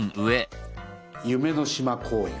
夢の島公園。